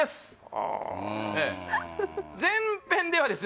うーん前編ではですね